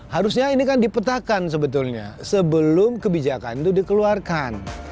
harusnya ini kan dipetakan sebetulnya sebelum kebijakan itu dikeluarkan